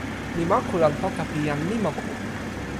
mi moku lon poka pi jan Mimoku.